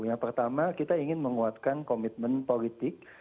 yang pertama kita ingin menguatkan komitmen politik